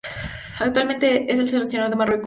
Actualmente es el seleccionador de Marruecos.